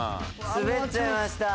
滑っちゃいました。